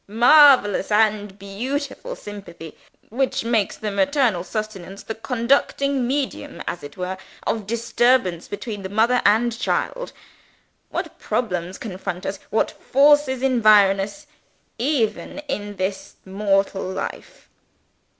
"Marvelous and beautiful sympathy which makes the maternal sustenance the conducting medium, as it were, of disturbance between the mother and child. What problems confront us, what forces environ us, even in this mortal life!